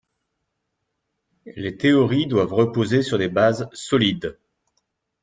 les théories doivent reposer sur des bases solides